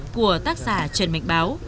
của tác giả trần mạnh báo